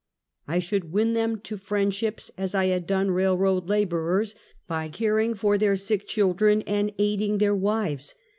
I should win them to friendships as I had done railroad laborers, by caring for their sick children, and aiding their wives.